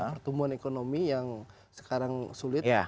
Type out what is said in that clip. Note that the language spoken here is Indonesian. pertumbuhan ekonomi yang sekarang sulit